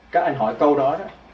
các anh hỏi câu đó